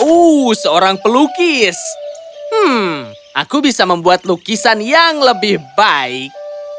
uuh seorang pelukis aku bisa membuat lukisan yang lebih baik